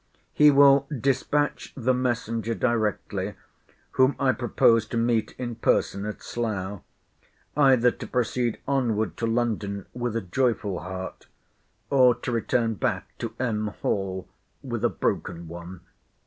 He will dispatch the messenger directly; whom I propose to meet in person at Slough; either to proceed onward to London with a joyful heart, or to return back to M. Hall with a broken one.